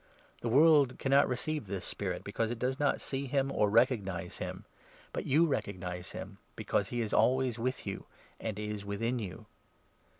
The world cannot receive this Spirit, because it does not see him or recognize him, but you recognize him, because he is always with you, and is within you.